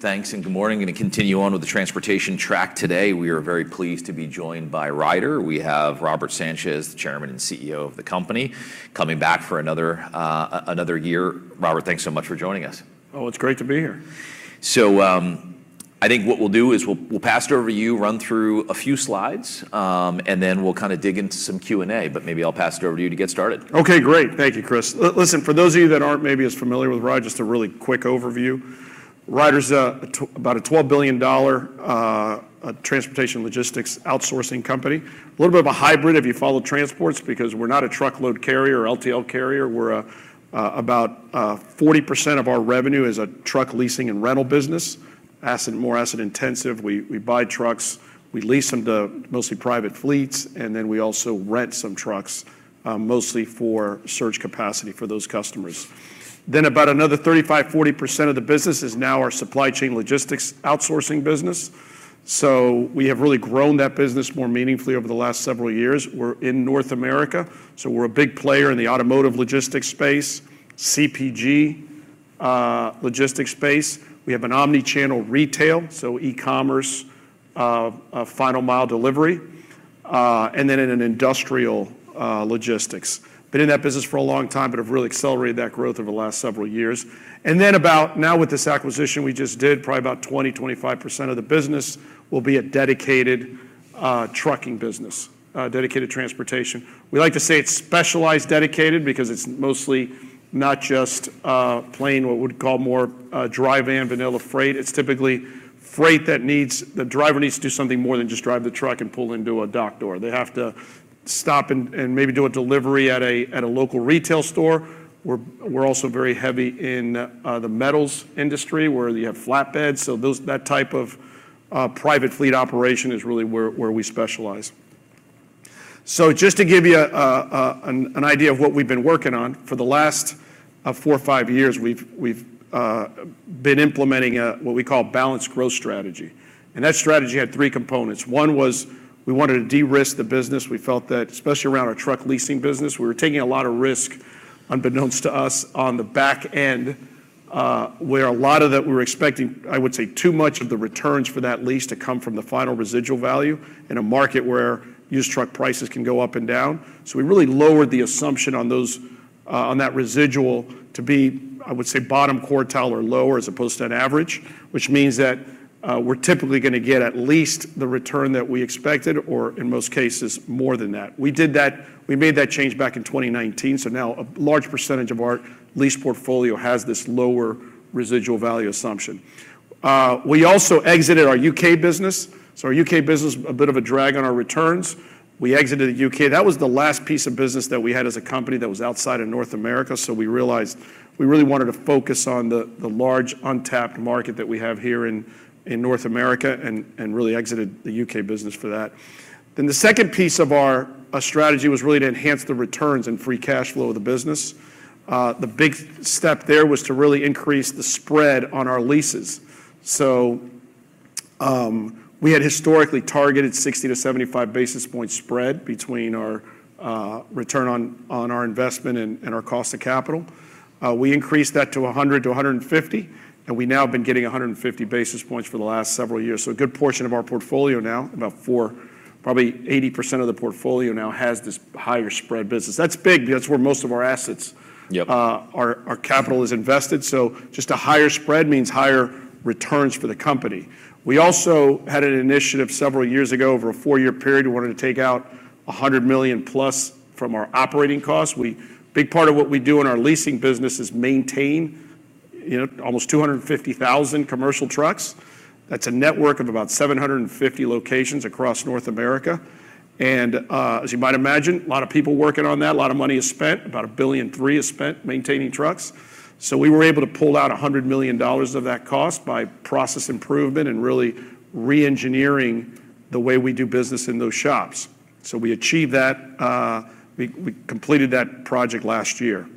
Thanks, and good morning. Gonna continue on with the transportation track today. We are very pleased to be joined by Ryder. We have Robert Sanchez, the Chairman and CEO of the company, coming back for another year. Robert, thanks so much for joining us. Oh, it's great to be here. I think what we'll do is we'll pass it over to you, run through a few slides, and then we'll kinda dig into some Q&A. Maybe I'll pass it over to you to get started. Okay, great. Thank you, Chris. Listen, for those of you that aren't maybe as familiar with Ryder, just a really quick overview. Ryder's about a $12 billion transportation logistics outsourcing company. A little bit of a hybrid if you follow transports, because we're not a truckload carrier or LTL carrier. We're about 40% of our revenue is a truck leasing and rental business, asset, more asset-intensive. We buy trucks, we lease them to mostly private fleets, and then we also rent some trucks, mostly for surge capacity for those customers. Then about another 35%-40% of the business is now our supply chain logistics outsourcing business. So we have really grown that business more meaningfully over the last several years. We're in North America, so we're a big player in the automotive logistics space, CPG logistics space. We have an omni-channel retail, so e-commerce, final mile delivery, and then in an industrial logistics. Been in that business for a long time, but have really accelerated that growth over the last several years. And then about, now with this acquisition we just did, probably about 20%-25% of the business will be a dedicated trucking business, Dedicated Transportation. We like to say it's specialized dedicated, because it's mostly not just plain, what we'd call more dry van, vanilla freight. It's typically freight that needs- the driver needs to do something more than just drive the truck and pull into a dock door. They have to stop and maybe do a delivery at a local retail store. We're also very heavy in the metals industry, where you have flatbeds. So that type of private fleet operation is really where we specialize. So just to give you an idea of what we've been working on, for the last four or five years, we've been implementing what we call a balanced growth strategy, and that strategy had three components. One was we wanted to de-risk the business. We felt that, especially around our truck leasing business, we were taking a lot of risk, unbeknownst to us, on the back end, where a lot of that, we were expecting, I would say, too much of the returns for that lease to come from the final residual value in a market where used truck prices can go up and down. So we really lowered the assumption on those, on that residual to be, I would say, bottom quartile or lower, as opposed to an average, which means that, we're typically gonna get at least the return that we expected, or in most cases, more than that. We did that. We made that change back in 2019, so now a large percentage of our lease portfolio has this lower residual value assumption. We also exited our U.K. business. So our U.K. business, a bit of a drag on our returns. We exited the U.K. That was the last piece of business that we had as a company that was outside of North America, so we realized we really wanted to focus on the large, untapped market that we have here in North America and really exited the U.K. business for that. Then the second piece of our strategy was really to enhance the returns and free cash flow of the business. The big step there was to really increase the spread on our leases. So, we had historically targeted 60-75 basis point spread between our return on our investment and our cost to capital. We increased that to 100-150, and we now have been getting 150 basis points for the last several years. So a good portion of our portfolio now, about 40, probably 80% of the portfolio now has this higher spread business. That's big, because that's where most of our assets- Yep Our capital is invested. So just a higher spread means higher returns for the company. We also had an initiative several years ago, over a four-year period. We wanted to take out $100 million+ from our operating costs. A big part of what we do in our leasing business is maintain almost 250,000 commercial trucks. That's a network of about 750 locations across North America. And as you might imagine, a lot of people working on that, a lot of money is spent. About $1.3 billion is spent maintaining trucks. So we were able to pull out $100 million of that cost by process improvement and really re-engineering the way we do business in those shops. So we achieved that, we completed that project last year.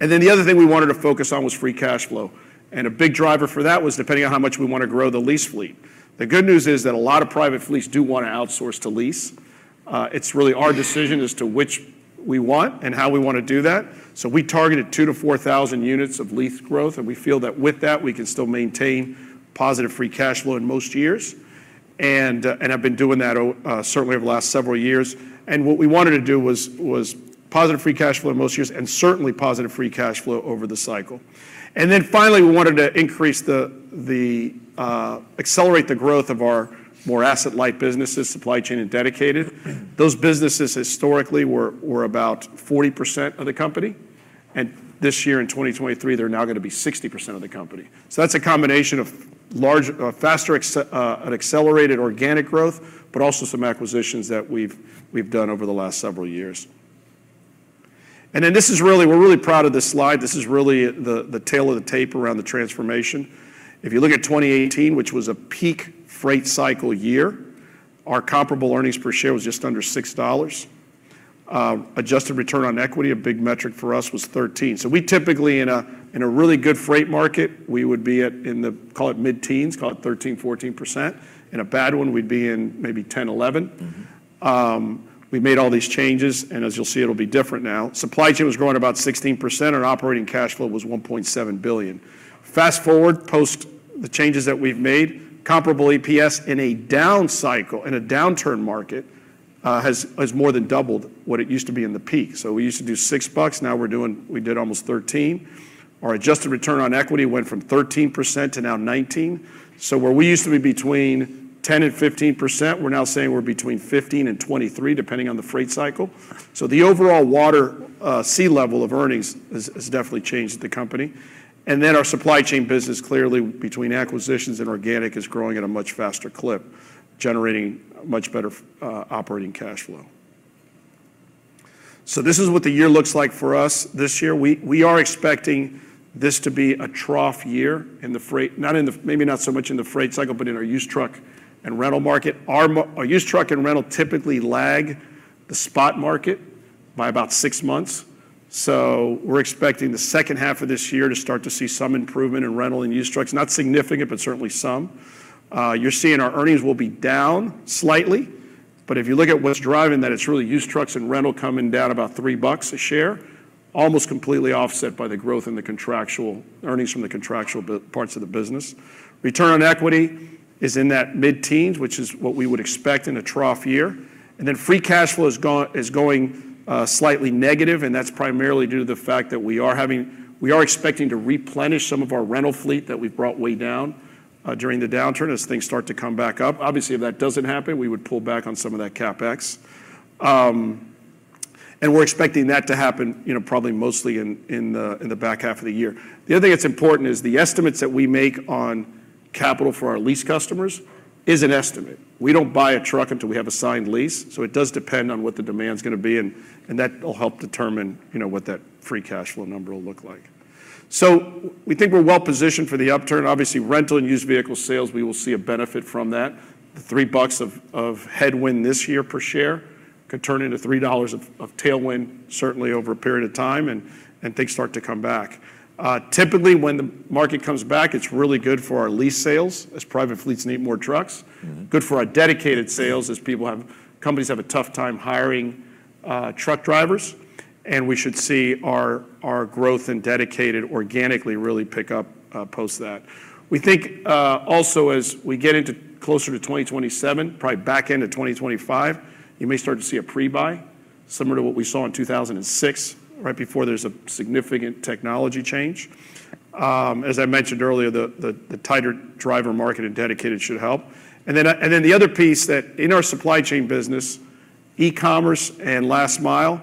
And then the other thing we wanted to focus on was free cash flow, and a big driver for that was depending on how much we want to grow the lease fleet. The good news is that a lot of private fleets do want to outsource to lease. It's really our decision as to which we want and how we want to do that. So we targeted 2,000-4,000 units of lease growth, and we feel that with that, we can still maintain positive free cash flow in most years. And, and have been doing that, certainly over the last several years. And what we wanted to do was positive free cash flow in most years, and certainly positive free cash flow over the cycle. And then finally, we wanted to accelerate the growth of our more asset-light businesses, Supply Chain and Dedicated. Those businesses historically were about 40% of the company, and this year, in 2023, they're now gonna be 60% of the company. So that's a combination of an accelerated organic growth, but also some acquisitions that we've done over the last several years. And then this is really. We're really proud of this slide. This is really the tale of the tape around the transformation. If you look at 2018, which was a peak freight cycle year, our comparable earnings per share was just under $6. Adjusted return on equity, a big metric for us, was 13%. So we typically, in a really good freight market, we would be at, call it mid-teens, call it 13%-14%. In a bad one, we'd be in maybe 10%-11%. Mm-hmm.... we made all these changes, and as you'll see, it'll be different now. Supply Chain was growing about 16%, and our operating cash flow was $1.7 billion. Fast-forward, post the changes that we've made, comparable EPS in a down cycle, in a downturn market, has more than doubled what it used to be in the peak. So we used to do 6 bucks, now we're doing... We did almost 13. Our adjusted return on equity went from 13% to now 19%. So where we used to be between 10% and 15%, we're now saying we're between 15% and 23%, depending on the freight cycle. So the overall water, sea level of earnings has definitely changed at the company. And then our Supply Chain business, clearly between acquisitions and organic, is growing at a much faster clip, generating much better operating cash flow. So this is what the year looks like for us this year. We are expecting this to be a trough year in the freight, not in the, maybe not so much in the freight cycle, but in our used truck and rental market. Our used truck and rental typically lag the spot market by about six months, so we're expecting the second half of this year to start to see some improvement in rental and used trucks. Not significant, but certainly some. You're seeing our earnings will be down slightly, but if you look at what's driving that, it's really used trucks and rental coming down about $3 a share, almost completely offset by the growth in the contractual earnings from the contractual parts of the business. Return on equity is in that mid-teens, which is what we would expect in a trough year. And then free cash flow is going slightly negative, and that's primarily due to the fact that we are expecting to replenish some of our rental fleet that we've brought way down during the downturn as things start to come back up. Obviously, if that doesn't happen, we would pull back on some of that CapEx. And we're expecting that to happen, you know, probably mostly in the back half of the year. The other thing that's important is the estimates that we make on capital for our lease customers is an estimate. We don't buy a truck until we have a signed lease, so it does depend on what the demand's going to be, and that will help determine, you know, what that free cash flow number will look like. So we think we're well-positioned for the upturn. Obviously, rental and used vehicle sales, we will see a benefit from that. The $3 of headwind this year per share could turn into $3 of tailwind, certainly over a period of time, and things start to come back. Typically, when the market comes back, it's really good for our lease sales, as private fleets need more trucks. Mm-hmm. Good for our Dedicated sales, as companies have a tough time hiring truck drivers, and we should see our growth in Dedicated organically really pick up post that. We think also, as we get closer to 2027, probably back end of 2025, you may start to see a pre-buy, similar to what we saw in 2006, right before there's a significant technology change. As I mentioned earlier, the tighter driver market in Dedicated should help. And then the other piece, that in our Supply Chain business, e-commerce and last mile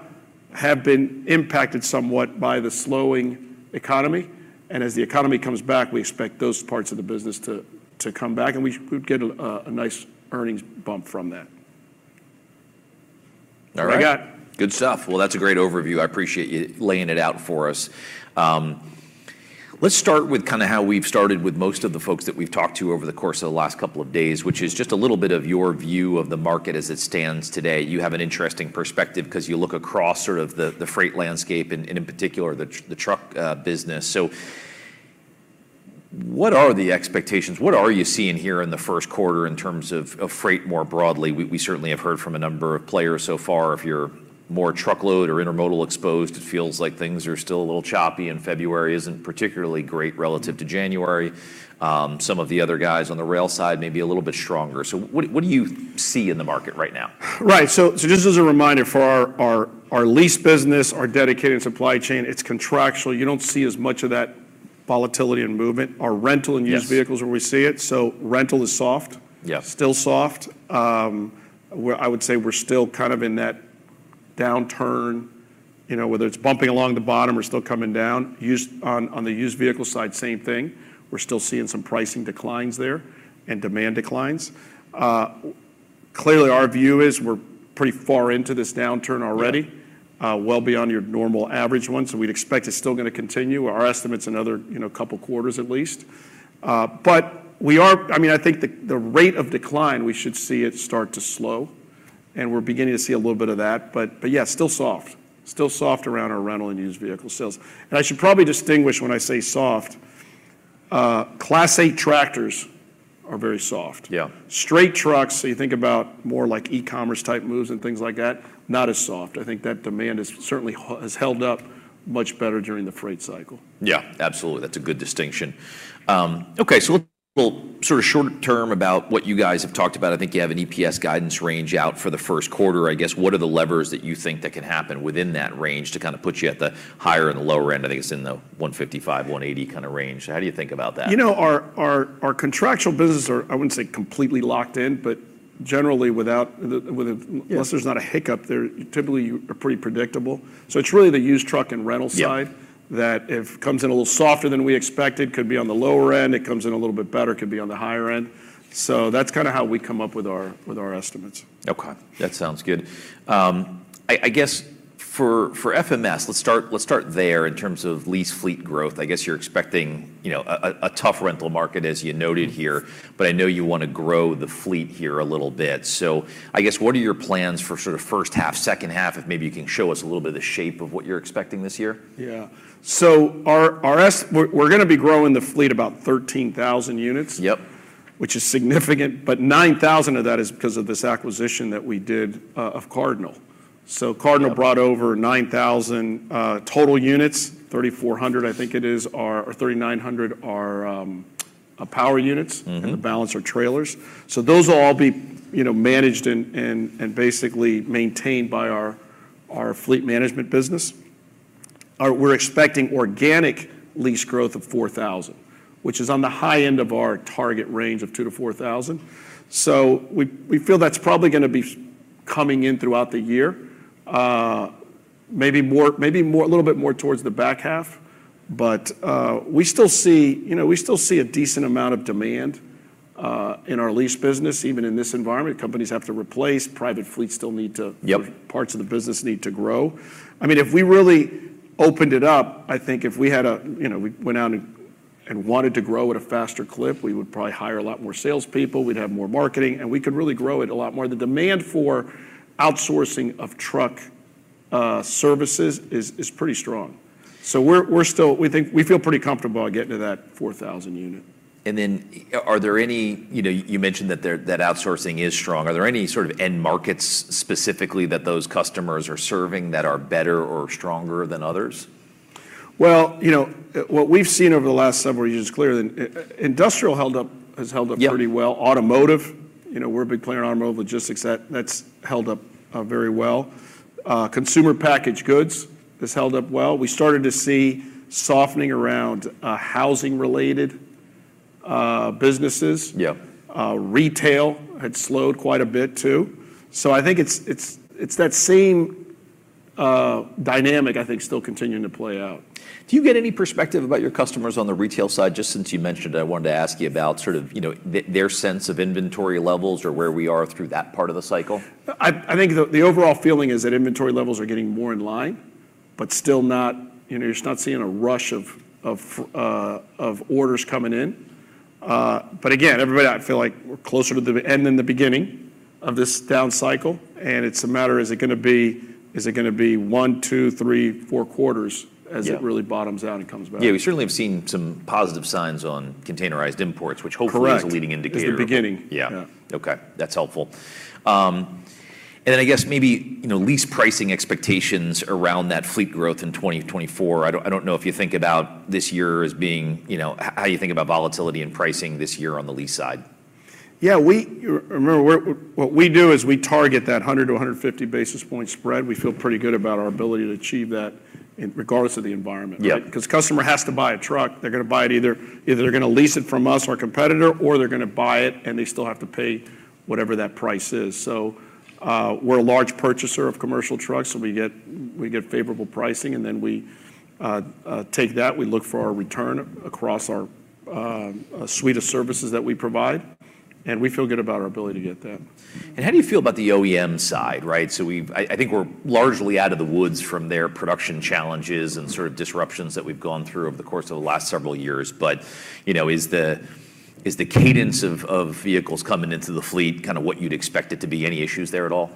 have been impacted somewhat by the slowing economy, and as the economy comes back, we expect those parts of the business to come back, and we'd get a nice earnings bump from that. All right. What do you got? Good stuff. Well, that's a great overview. I appreciate you laying it out for us. Let's start with kind of how we've started with most of the folks that we've talked to over the course of the last couple of days, which is just a little bit of your view of the market as it stands today. You have an interesting perspective, 'cause you look across sort of the freight landscape, and in particular, the truck business. So what are the expectations? What are you seeing here in the first quarter in terms of freight more broadly? We certainly have heard from a number of players so far. If you're more truckload or intermodal-exposed, it feels like things are still a little choppy, and February isn't particularly great relative to January. Some of the other guys on the rail side may be a little bit stronger. So what do you see in the market right now? Right. So just as a reminder, for our lease business, our Dedicated, Supply Chain, it's contractual. You don't see as much of that volatility and movement. Our rental and used- Yes... vehicles is where we see it, so rental is soft. Yeah. Still soft. I would say we're still kind of in that downturn, you know, whether it's bumping along the bottom or still coming down. Used, on the used vehicle side, same thing. We're still seeing some pricing declines there and demand declines. Clearly, our view is we're pretty far into this downturn already- Yeah... well beyond your normal average one, so we'd expect it's still gonna continue. Our estimate's another, you know, couple quarters at least. But we are... I mean, I think the rate of decline, we should see it start to slow, and we're beginning to see a little bit of that. But yeah, still soft. Still soft around our rental and used vehicle sales. And I should probably distinguish when I say, "soft," Class 8 tractors are very soft. Yeah. Straight trucks, so you think about more like e-commerce-type moves and things like that, not as soft. I think that demand is certainly has held up much better during the freight cycle. Yeah, absolutely. That's a good distinction. Okay, so we'll sort of short term about what you guys have talked about. I think you have an EPS guidance range out for the first quarter. I guess, what are the levers that you think that can happen within that range to kind of put you at the higher and the lower end? I think it's in the $1.55-$1.80 kind of range. How do you think about that? You know, our contractual business are. I wouldn't say completely locked in, but generally without the Yes... unless there's not a hiccup, they're typically are pretty predictable. So it's really the used truck and rental side- Yeah... that it comes in a little softer than we expected, could be on the lower end. It comes in a little bit better, could be on the higher end. So that's kind of how we come up with our estimates. Okay, that sounds good. I guess for FMS, let's start there in terms of lease fleet growth. I guess you're expecting, you know, a tough rental market, as you noted here. Mm. But I know you want to grow the fleet here a little bit. So I guess, what are your plans for sort of first half, second half, if maybe you can show us a little bit of the shape of what you're expecting this year? Yeah. So our assets, we're gonna be growing the fleet about 13,000 units. Yep.... which is significant, but 9,000 of that is because of this acquisition that we did of Cardinal. So Cardinal- Yeah -brought over 9,000 total units. 3,400, I think it is, are, or 3,900 are power units- Mm-hmm -and the balance are trailers. So those will all be, you know, managed and basically maintained by our Fleet Management business. We're expecting organic lease growth of 4,000, which is on the high end of our target range of 2,000-4,000. So we feel that's probably gonna be coming in throughout the year. Maybe more, a little bit more towards the back half, but we still see, you know, we still see a decent amount of demand in our lease business, even in this environment. Companies have to replace, private fleets still need to- Yep... parts of the business need to grow. I mean, if we really opened it up, I think if we had a, you know, we went out and, and wanted to grow at a faster clip, we would probably hire a lot more salespeople, we'd have more marketing, and we could really grow it a lot more. The demand for outsourcing of truck services is pretty strong. So we're still, we think, we feel pretty comfortable about getting to that 4,000 unit. And then, are there any... You know, you mentioned that there, that outsourcing is strong. Are there any sort of end markets specifically that those customers are serving that are better or stronger than others? Well, you know, what we've seen over the last several years, clearly, and industrial held up, has held up- Yeah... pretty well. Automotive, you know, we're a big player in automotive logistics. That, that's held up very well. Consumer Packaged Goods has held up well. We started to see softening around housing-related businesses. Yeah. Retail had slowed quite a bit, too. So I think it's that same dynamic, I think, still continuing to play out. Do you get any perspective about your customers on the retail side? Just since you mentioned it, I wanted to ask you about sort of, you know, their sense of inventory levels or where we are through that part of the cycle. I think the overall feeling is that inventory levels are getting more in line, but still not, you know, you're just not seeing a rush of orders coming in. But again, everybody, I feel like we're closer to the end than the beginning of this down cycle, and it's a matter of is it gonna be one, two, three, four quarters- Yeah as it really bottoms out and comes back? Yeah, we certainly have seen some positive signs on containerized imports, which hopefully- Correct... is a leading indicator. Is the beginning. Yeah. Yeah. Okay, that's helpful. Then I guess maybe, you know, lease pricing expectations around that fleet growth in 2024. I don't, I don't know if you think about this year as being, you know, how you think about volatility and pricing this year on the lease side. Yeah, remember, we're what we do is we target that 100-150 basis point spread. We feel pretty good about our ability to achieve that regardless of the environment. Yeah. 'Cause customer has to buy a truck, they're gonna buy it, either they're gonna lease it from us or a competitor, or they're gonna buy it, and they still have to pay whatever that price is. So, we're a large purchaser of commercial trucks, so we get favorable pricing, and then we take that, we look for our return across our suite of services that we provide, and we feel good about our ability to get that. How do you feel about the OEM side, right? So we've I think we're largely out of the woods from their production challenges and sort of disruptions that we've gone through over the course of the last several years. But, you know, is the cadence of vehicles coming into the fleet kind of what you'd expect it to be? Any issues there at all?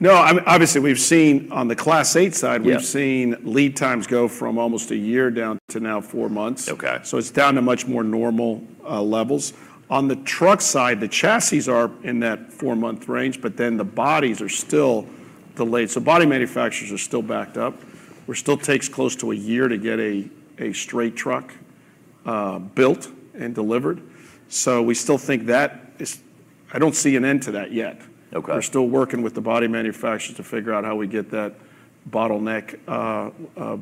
No. Obviously, we've seen, on the Class 8 side- Yeah... we've seen lead times go from almost a year down to now four months. Okay. So it's down to much more normal levels. On the truck side, the chassis are in that four-month range, but then the bodies are still delayed. So body manufacturers are still backed up, where it still takes close to a year to get a straight truck built and delivered. So we still think that is... I don't see an end to that yet. Okay. We're still working with the body manufacturers to figure out how we get that bottleneck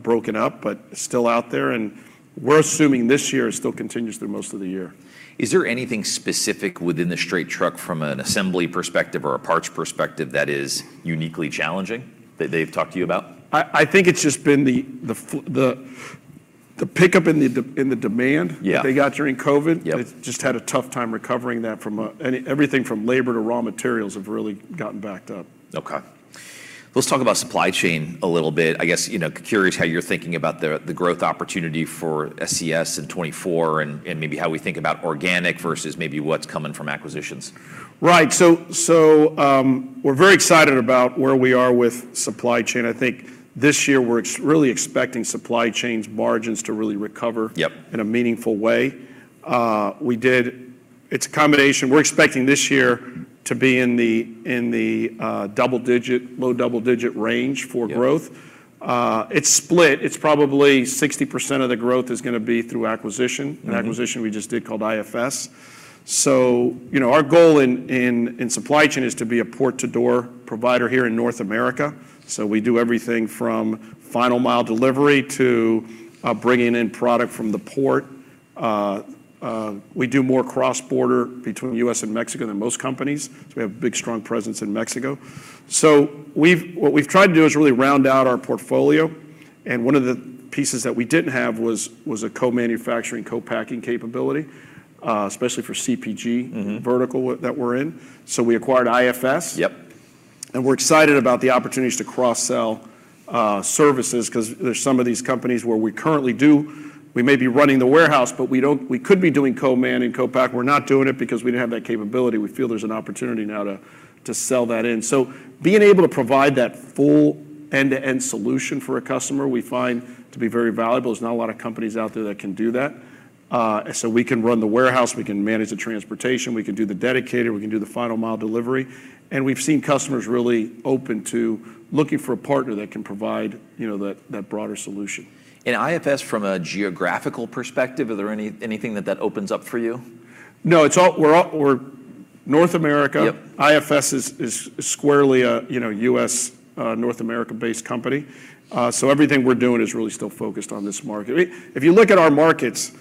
broken up, but it's still out there, and we're assuming this year it still continues through most of the year. Is there anything specific within the straight truck from an assembly perspective or a parts perspective that is uniquely challenging, that they've talked to you about? I think it's just been the pickup in the demand- Yeah they got during COVID. Yep. They've just had a tough time recovering that from everything from labor to raw materials have really gotten backed up. Okay. Let's talk about Supply Chain a little bit. I guess, you know, curious how you're thinking about the growth opportunity for SCS in 2024, and maybe how we think about organic versus maybe what's coming from acquisitions. Right. So, we're very excited about where we are with Supply Chain. I think this year, we're really expecting Supply Chain's margins to really recover- Yep... in a meaningful way. We did. It's a combination. We're expecting this year to be in the double-digit, low double-digit range for growth. Yeah. It's split. It's probably 60% of the growth is gonna be through acquisition- Mm-hmm... an acquisition we just did called IFS. So, you know, our goal in Supply Chain is to be a port-to-door provider here in North America. So we do everything from final mile delivery to bringing in product from the port. We do more cross-border between U.S. and Mexico than most companies, so we have a big, strong presence in Mexico. So we've, what we've tried to do is really round out our portfolio, and one of the pieces that we didn't have was a co-manufacturing, co-packing capability, especially for CPG- Mm-hmm... vertical that we're in. So we acquired IFS. Yep. And we're excited about the opportunities to cross-sell, services, 'cause there's some of these companies where we currently do. We may be running the warehouse, but we don't—we could be doing co-man and co-pack. We're not doing it because we didn't have that capability. We feel there's an opportunity now to sell that in. So being able to provide that full end-to-end solution for a customer, we find to be very valuable. There's not a lot of companies out there that can do that... so we can run the warehouse, we can manage the transportation, we can do the dedicated, we can do the final mile delivery. And we've seen customers really open to looking for a partner that can provide, you know, that broader solution. IFS from a geographical perspective, is there anything that opens up for you? No, it's all. We're all North America. Yep. IFS is squarely a, you know, U.S., North America-based company. Yeah. So everything we're doing is really still focused on this market. I mean, if you look at our markets,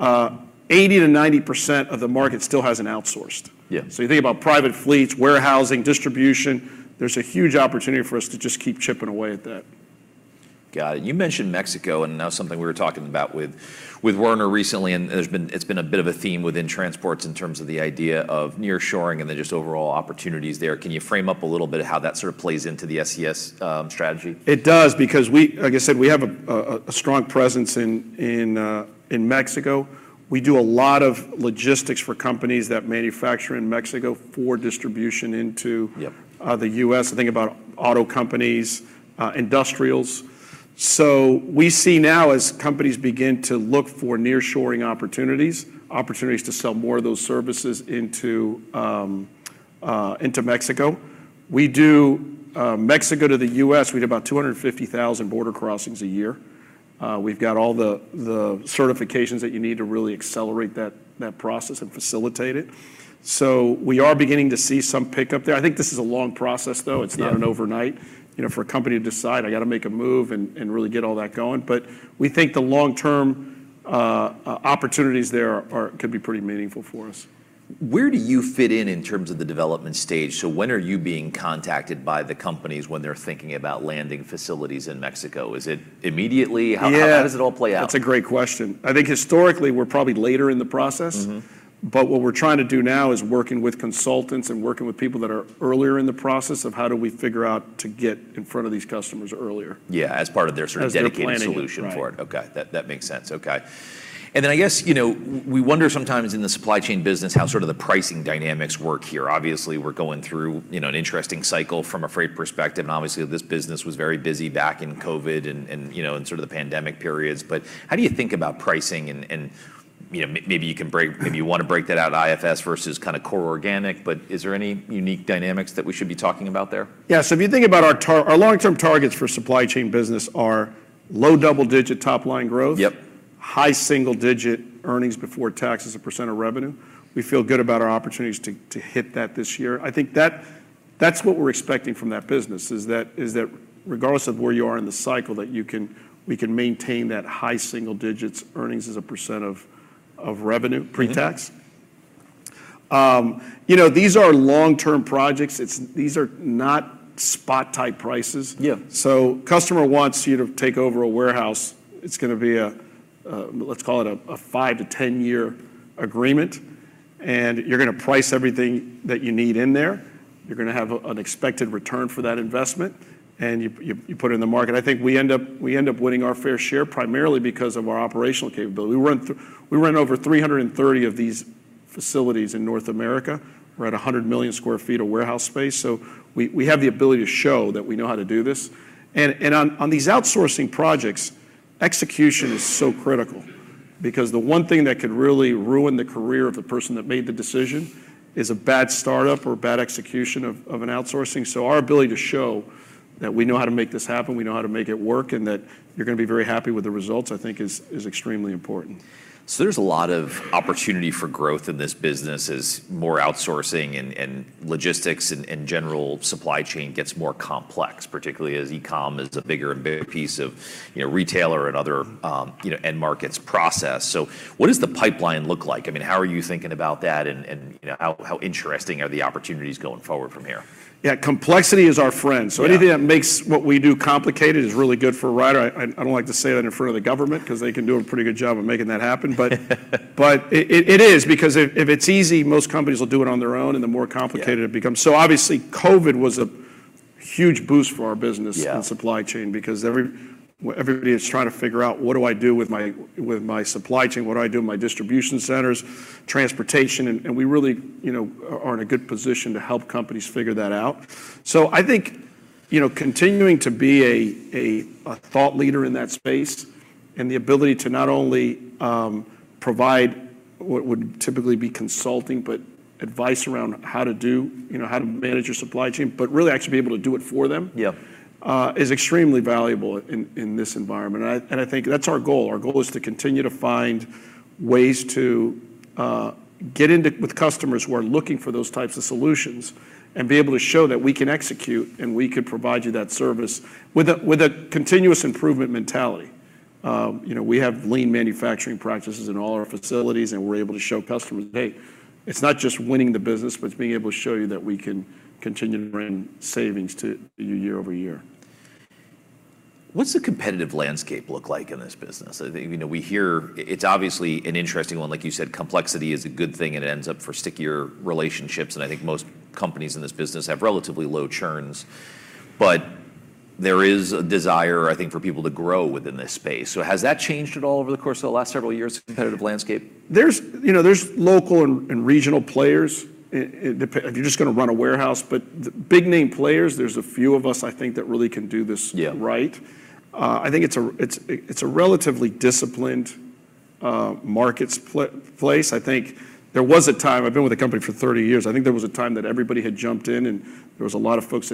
80%-90% of the market still hasn't outsourced. Yeah. You think about private fleets, warehousing, distribution. There's a huge opportunity for us to just keep chipping away at that. Got it. You mentioned Mexico, and that was something we were talking about with Werner recently, and there's been... It's been a bit of a theme within transports in terms of the idea of nearshoring and the just overall opportunities there. Can you frame up a little bit how that sort of plays into the SCS strategy? It does, because we, like I said, we have a strong presence in Mexico. We do a lot of logistics for companies that manufacture in Mexico for distribution into- Yep... the U.S. Think about auto companies, industrials. So we see now as companies begin to look for nearshoring opportunities, opportunities to sell more of those services into into Mexico. We do Mexico to the U.S., we do about 250,000 border crossings a year. We've got all the certifications that you need to really accelerate that process and facilitate it. So we are beginning to see some pickup there. I think this is a long process, though. Yeah. It's not an overnight, you know, for a company to decide, "I gotta make a move," and really get all that going. But we think the long-term opportunities there are could be pretty meaningful for us. Where do you fit in, in terms of the development stage? So when are you being contacted by the companies when they're thinking about landing facilities in Mexico? Is it immediately? Yeah. How does it all play out? That's a great question. I think historically, we're probably later in the process. Mm-hmm. What we're trying to do now is working with consultants and working with people that are earlier in the process of, how do we figure out to get in front of these customers earlier? Yeah, as part of their sort of- As they're planning it.... dedicated solution for it. Right. Okay, that makes sense. Okay. And then I guess, you know, we wonder sometimes in the Supply Chain business how sort of the pricing dynamics work here. Obviously, we're going through, you know, an interesting cycle from a freight perspective, and obviously this business was very busy back in COVID and you know, in sort of the pandemic periods. But how do you think about pricing? And you know, maybe you can break- Mm... maybe you want to break that out IFS versus kind of core organic, but is there any unique dynamics that we should be talking about there? Yeah, so if you think about our long-term targets for Supply Chain business are low double-digit top-line growth- Yep... high single digit earnings before tax as a percent of revenue. We feel good about our opportunities to hit that this year. I think that that's what we're expecting from that business, is that regardless of where you are in the cycle, that we can maintain that high single digits earnings as a percent of revenue, pre-tax. Mm-hmm. You know, these are long-term projects. These are not spot-type prices. Yeah. So the customer wants you to take over a warehouse. It's gonna be a. Let's call it a five-to-10-year agreement, and you're gonna price everything that you need in there. You're gonna have an expected return for that investment, and you put it in the market. I think we end up winning our fair share primarily because of our operational capability. We run over 330 of these facilities in North America. We're at 100 million sq ft of warehouse space, so we have the ability to show that we know how to do this. And on these outsourcing projects, execution is so critical because the one thing that could really ruin the career of the person that made the decision is a bad start-up or a bad execution of an outsourcing. So our ability to show that we know how to make this happen, we know how to make it work, and that you're gonna be very happy with the results, I think is extremely important. So there's a lot of opportunity for growth in this business as more outsourcing and logistics and general supply chain gets more complex, particularly as e-com is a bigger and bigger piece of, you know, retailer and other, you know, end markets process. So what does the pipeline look like? I mean, how are you thinking about that, and you know, how interesting are the opportunities going forward from here? Yeah. Complexity is our friend. Yeah. So anything that makes what we do complicated is really good for Ryder. I don't like to say that in front of the government, 'cause they can do a pretty good job of making that happen. But it is, because if it's easy, most companies will do it on their own, and the more complicated- Yeah... it becomes. So obviously, COVID was a huge boost for our business- Yeah... and supply chain because everybody is trying to figure out, "What do I do with my supply chain? What do I do with my distribution centers, transportation?" And we really, you know, are in a good position to help companies figure that out. So I think, you know, continuing to be a thought leader in that space and the ability to not only provide what would typically be consulting, but advice around how to do, you know, how to manage your supply chain, but really actually be able to do it for them- Yeah ... is extremely valuable in, in this environment. And I, and I think that's our goal. Our goal is to continue to find ways to get into with customers who are looking for those types of solutions, and be able to show that we can execute, and we can provide you that service with a, with a continuous improvement mentality. You know, we have lean manufacturing practices in all our facilities, and we're able to show customers, "Hey, it's not just winning the business, but it's being able to show you that we can continue to run savings to you year over year. What's the competitive landscape look like in this business? I think, you know, we hear it's obviously an interesting one. Like you said, complexity is a good thing, and it ends up for stickier relationships, and I think most companies in this business have relatively low churns. But there is a desire, I think, for people to grow within this space. So has that changed at all over the course of the last several years, competitive landscape? There's, you know, there's local and regional players. It depends if you're just gonna run a warehouse, but the big-name players, there's a few of us, I think, that really can do this right. Yeah. I think it's a relatively disciplined marketplace. I think there was a time. I've been with the company for 30 years. I think there was a time that everybody had jumped in, and there was a lot of folks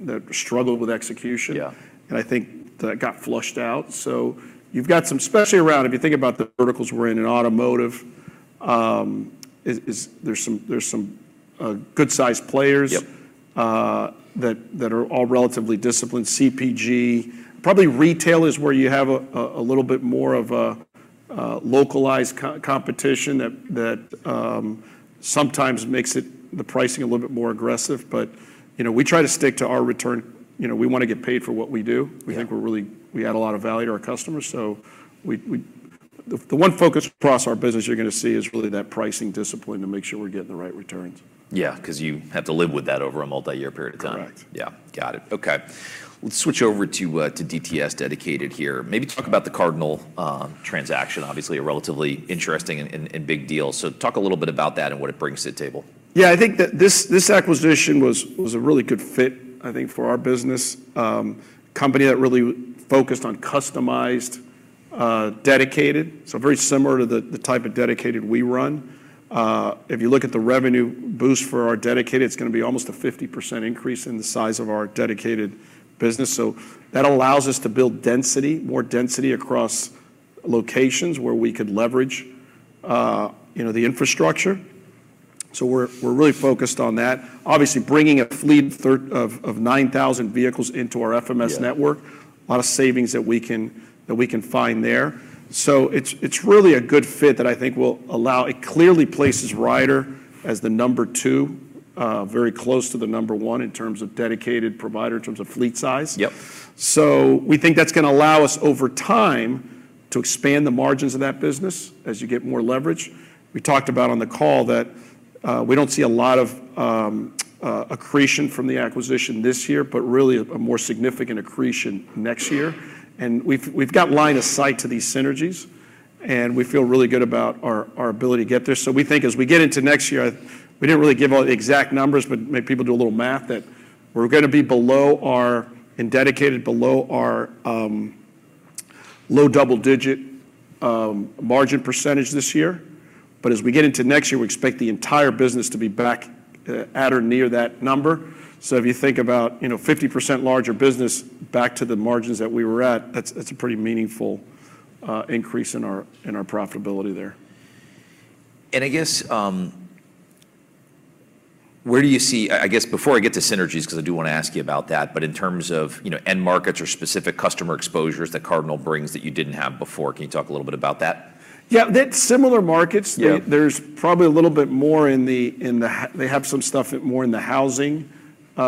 that struggled with execution. Yeah. I think that got flushed out, so you've got some, especially around, if you think about the verticals we're in, in automotive, there's some good-sized players. Yep... that are all relatively disciplined. CPG, probably retail is where you have a little bit more of a localized competition that sometimes makes the pricing a little bit more aggressive. But, you know, we try to stick to our return. You know, we wanna get paid for what we do. Yeah. We think we add a lot of value to our customers, so we... The one focus across our business you're gonna see is really that pricing discipline to make sure we're getting the right returns. Yeah, 'cause you have to live with that over a multi-year period of time. Correct. Yeah. Got it. Okay, let's switch over to, to DTS Dedicated here. Okay. Maybe talk about the Cardinal transaction. Obviously, a relatively interesting and big deal, so talk a little bit about that and what it brings to the table. Yeah, I think that this acquisition was a really good fit, I think, for our business. Company that really focused on customized dedicated, so very similar to the type of dedicated we run. If you look at the revenue boost for our Dedicated, it's gonna be almost a 50% increase in the size of our Dedicated business. So that allows us to build density, more density across locations where we could leverage, you know, the infrastructure, so we're really focused on that. Obviously, bringing a fleet of 9,000 vehicles into our FMS network- Yeah... a lot of savings that we can, that we can find there. So it's, it's really a good fit that I think will allow... It clearly places Ryder as the number two, very close to the number one in terms of dedicated provider, in terms of fleet size. Yep. So we think that's gonna allow us, over time, to expand the margins of that business as you get more leverage. We talked about on the call that we don't see a lot of accretion from the acquisition this year, but really a more significant accretion next year. And we've got line of sight to these synergies, and we feel really good about our ability to get there. So we think as we get into next year, we didn't really give all the exact numbers, but make people do a little math, that we're gonna be below our, in Dedicated, below our low double-digit margin percentage this year. But as we get into next year, we expect the entire business to be back at or near that number. So if you think about, you know, 50% larger business back to the margins that we were at, that's, that's a pretty meaningful increase in our, in our profitability there. I guess, where do you see... I, I guess before I get to synergies, 'cause I do wanna ask you about that, but in terms of, you know, end markets or specific customer exposures that Cardinal brings that you didn't have before, can you talk a little bit about that? Yeah, they're similar markets. Yeah. There's probably a little bit more in the housing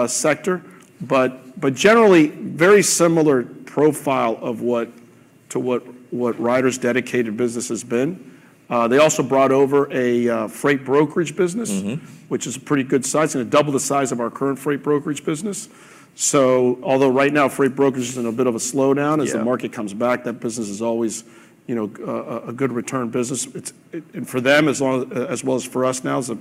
sector. But generally, very similar profile to what Ryder's Dedicated business has been. They also brought over a freight brokerage business- Mm-hmm... which is a pretty good size, and double the size of our current freight brokerage business. So although right now freight brokerage is in a bit of a slowdown- Yeah... as the market comes back, that business is always, you know, a good return business. It's, and for them, as long as, as well as for us now, is a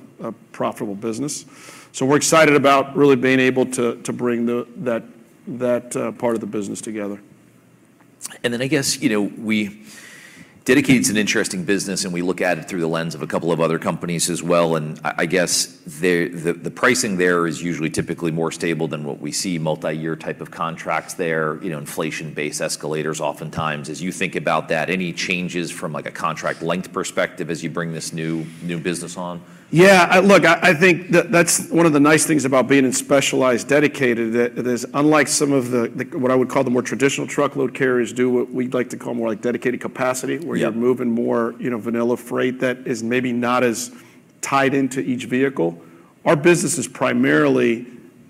profitable business. So we're excited about really being able to bring that part of the business together. And then, I guess, you know, Dedicated's an interesting business, and we look at it through the lens of a couple of other companies as well, and I guess, the pricing there is usually typically more stable than what we see, multi-year type of contracts there, you know, inflation-based escalators oftentimes. As you think about that, any changes from, like, a contract length perspective as you bring this new, new business on? Yeah, look, I think that's one of the nice things about being in specialized dedicated, that it is unlike some of the what I would call the more traditional truckload carriers do, what we'd like to call more like dedicated capacity- Yeah... where you're moving more, you know, vanilla freight that is maybe not as tied into each vehicle. Our business is primarily,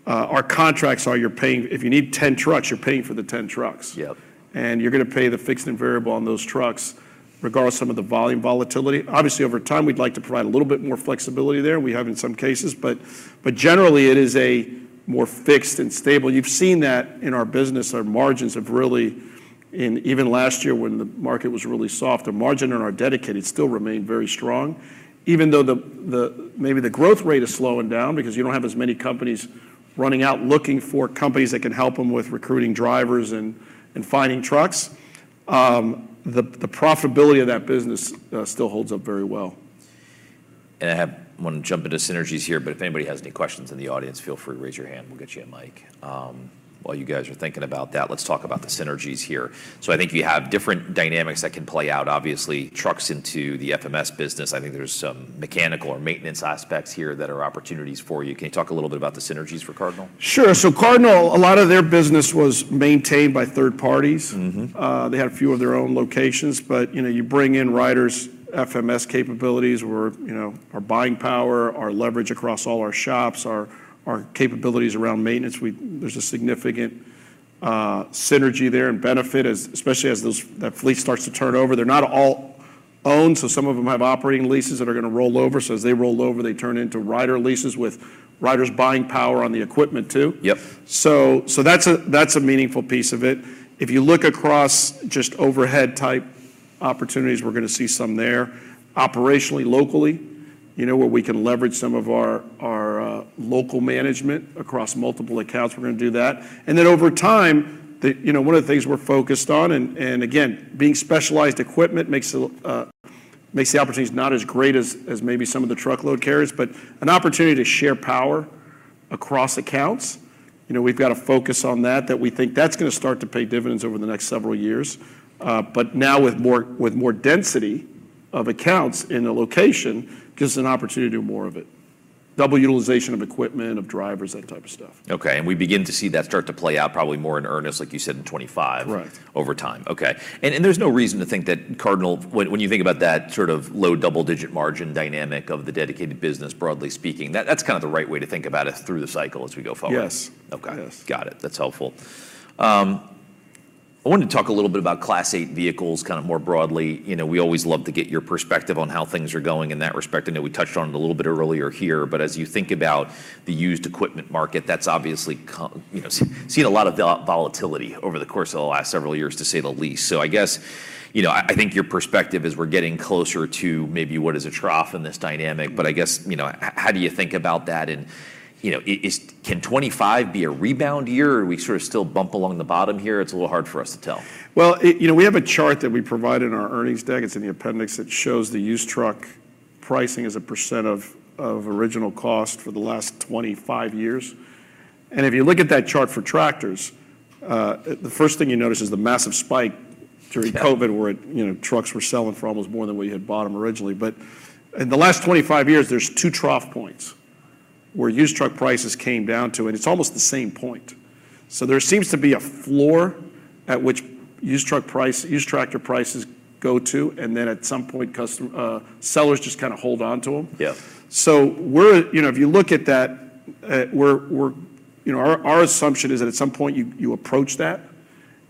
our contracts are you're paying, if you need 10 trucks, you're paying for the 10 trucks. Yep. You're gonna pay the fixed and variable on those trucks, regardless of some of the volume volatility. Obviously, over time, we'd like to provide a little bit more flexibility there, and we have in some cases, but generally, it is a more fixed and stable. You've seen that in our business. Our margins have really, in even last year when the market was really soft, our margin on our Dedicated still remained very strong. Even though maybe the growth rate is slowing down because you don't have as many companies running out, looking for companies that can help them with recruiting drivers and finding trucks, the profitability of that business still holds up very well. I have, I wanna jump into synergies here, but if anybody has any questions in the audience, feel free to raise your hand. We'll get you a mic. While you guys are thinking about that, let's talk about the synergies here. So I think you have different dynamics that can play out. Obviously, trucks into the FMS business, I think there's some mechanical or maintenance aspects here that are opportunities for you. Can you talk a little bit about the synergies for Cardinal? Sure. So Cardinal, a lot of their business was maintained by third parties. Mm-hmm. They had a few of their own locations, but, you know, you bring in Ryder's FMS capabilities, or, you know, our buying power, our leverage across all our shops, our, our capabilities around maintenance, there's a significant synergy there and benefit, especially as those, that fleet starts to turn over. They're not all owned, so some of them have operating leases that are gonna roll over. So as they roll over, they turn into Ryder leases with Ryder's buying power on the equipment too. Yep. So that's a meaningful piece of it. If you look across just overhead-type opportunities, we're gonna see some there. Operationally, locally, you know, where we can leverage some of our local management across multiple accounts, we're gonna do that. And then over time, you know, one of the things we're focused on, and again, being specialized equipment makes the opportunities not as great as maybe some of the truckload carriers, but an opportunity to share power across accounts. You know, we've got a focus on that, that we think that's gonna start to pay dividends over the next several years. But now with more density of accounts in a location, gives us an opportunity to do more of it. Double utilization of equipment, of drivers, that type of stuff. Okay, and we begin to see that start to play out probably more in earnest, like you said, in 2025- Correct... over time. Okay. And there's no reason to think that Cardinal, when you think about that sort of low double-digit margin dynamic of the Dedicated business, broadly speaking, that that's kind of the right way to think about it through the cycle as we go forward? Yes. Okay. Yes. Got it. That's helpful. I wanted to talk a little bit about Class 8 vehicles, kind of more broadly. You know, we always love to get your perspective on how things are going in that respect. I know we touched on it a little bit earlier here, but as you think about the used equipment market, that's obviously, you know, seen a lot of volatility over the course of the last several years, to say the least. So I guess, you know, I think your perspective is we're getting closer to maybe what is a trough in this dynamic, but I guess, you know, how do you think about that? And, you know, can 2025 be a rebound year, or do we sort of still bump along the bottom here? It's a little hard for us to tell. Well, you know, we have a chart that we provide in our earnings deck, it's in the appendix, that shows the used truck pricing as a percent of original cost for the last 25 years. If you look at that chart for tractors, the first thing you notice is the massive spike during COVID- Yeah... where, you know, trucks were selling for almost more than we had bought them originally. But in the last 25 years, there's two trough points where used truck prices came down to, and it's almost the same point. So there seems to be a floor at which used truck price, used tractor prices go to, and then at some point, customer... sellers just kind of hold on to them. Yeah. So we're, you know, if you look at that, we're. You know, our assumption is that at some point, you approach that,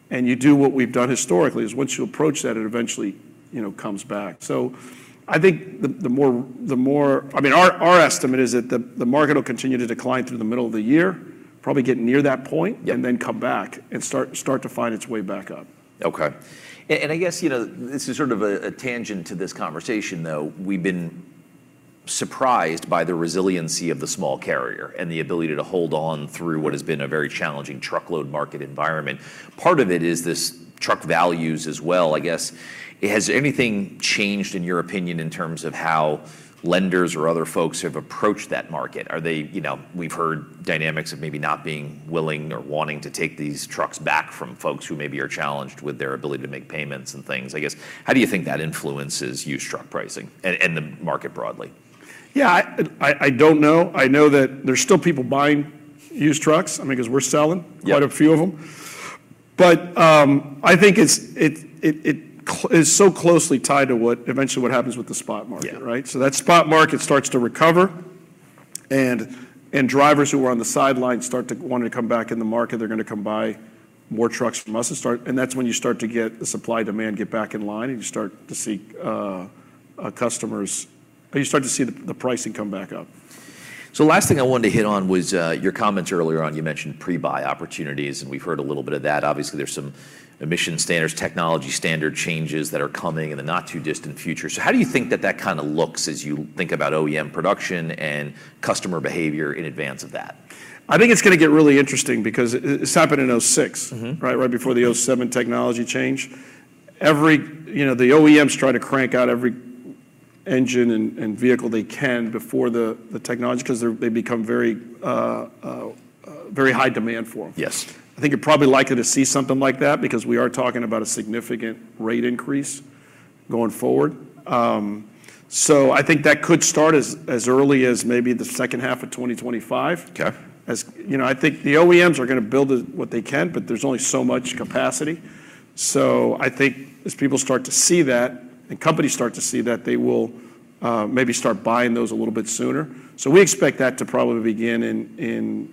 and you do what we've done historically, is once you approach that, it eventually, you know, comes back. So I think the more. I mean, our estimate is that the market will continue to decline through the middle of the year, probably get near that point- Yeah... and then come back and start to find its way back up. Okay. I guess, you know, this is sort of a tangent to this conversation, though. We've been surprised by the resiliency of the small carrier and the ability to hold on through what has been a very challenging truckload market environment. Part of it is this truck values as well. I guess, has anything changed, in your opinion, in terms of how lenders or other folks have approached that market? Are they... You know, we've heard dynamics of maybe not being willing or wanting to take these trucks back from folks who maybe are challenged with their ability to make payments and things. I guess, how do you think that influences used truck pricing and the market broadly? Yeah, I don't know. I know that there's still people buying used trucks, I mean, because we're selling- Yeah... quite a few of them. But I think it's so closely tied to what eventually happens with the spot market, right? Yeah. So that spot market starts to recover, and drivers who are on the sidelines start to want to come back in the market, they're gonna come buy more trucks from us and start... And that's when you start to get the supply-demand get back in line, and you start to see customers—you start to see the pricing come back up. So last thing I wanted to hit on was your comments earlier on. You mentioned pre-buy opportunities, and we've heard a little bit of that. Obviously, there's some emission standards, technology standard changes that are coming in the not-too-distant future. So how do you think that that kind of looks as you think about OEM production and customer behavior in advance of that? I think it's gonna get really interesting because this happened in 2006- Mm-hmm... right, right before the 2007 technology change. Every, you know, the OEMs try to crank out every engine and vehicle they can before the technology, 'cause they become very high demand for them. Yes. I think you're probably likely to see something like that because we are talking about a significant rate increase going forward. So I think that could start as early as maybe the second half of 2025. Okay. You know, I think the OEMs are gonna build what they can, but there's only so much capacity. So I think as people start to see that, and companies start to see that, they will maybe start buying those a little bit sooner. So we expect that to probably begin in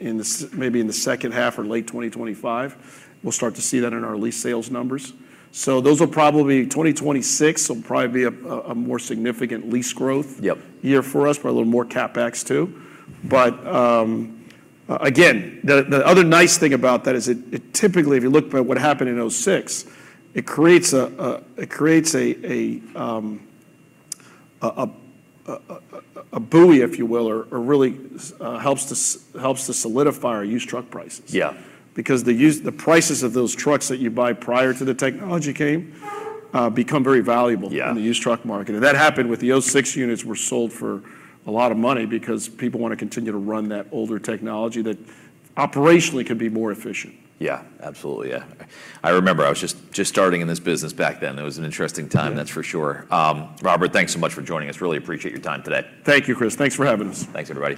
the second half or late 2025. We'll start to see that in our lease sales numbers. So those will probably 2026 will probably be a more significant lease growth- Yep... year for us, probably a little more CapEx, too. But again, the other nice thing about that is it typically, if you look back at what happened in 2006, it creates a buoy, if you will, or really helps to solidify our used truck prices. Yeah. Because the prices of those trucks that you buy prior to the technology came, become very valuable- Yeah... in the used truck market. That happened with the 2006 units were sold for a lot of money because people want to continue to run that older technology that operationally could be more efficient. Yeah, absolutely, yeah. I remember, I was just starting in this business back then. It was an interesting time. Yeah... that's for sure. Robert, thanks so much for joining us. Really appreciate your time today. Thank you, Chris. Thanks for having us. Thanks, everybody.